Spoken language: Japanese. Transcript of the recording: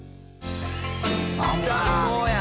「最高や！」